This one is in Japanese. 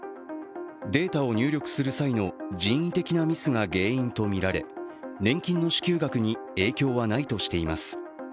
データを入力する際の人為的ミスが原因とみられ年金の支給額に影響はないとしています。